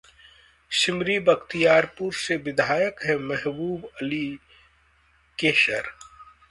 सिमरी बख्तियारपुर से विधायक हैं महबूब अली कैसर